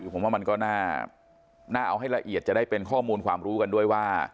ผมว่ามันก็น่าเอาให้ละเอียดจะได้เป็นข้อมูลความรู้กันด้วยว่า